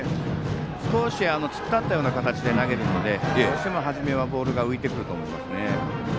少し突っ立ったような形で投げるのでどうしても初めはボールが浮いてくると思います。